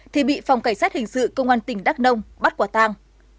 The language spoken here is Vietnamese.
thì bị phòng cảnh sát hình sự công an tỉnh đắk nông bắt quả tang